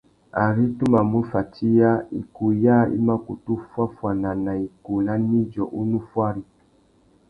Ari tu mà mù fatiya, ikūh yâā i mà kutu fuáffuana nà ikūh nà nidjô unú fuári.